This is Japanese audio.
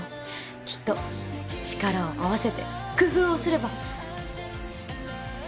きっと力を合わせて工夫をすれば。